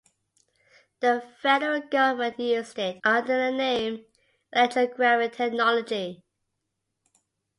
The Federal Government used it under the name "electrographic" technology.